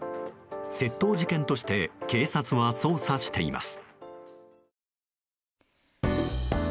窃盗事件として警察は捜査しています。